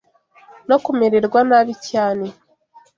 no kumererwa nabi cyane